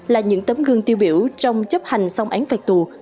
là những tấm gương tiêu biểu trong chấp hành xong án phạt tù